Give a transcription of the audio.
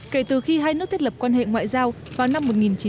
kể từ khi hai nước thiết lập quan hệ ngoại giao vào năm một nghìn chín trăm bảy mươi